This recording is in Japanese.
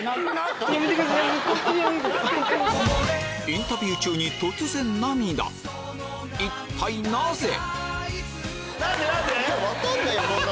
インタビュー中に一体なぜ？